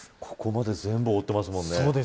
ここまで全部覆っていますもんね。